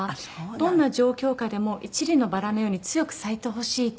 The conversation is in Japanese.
どんな状況下でも一輪のバラのように強く咲いてほしいと。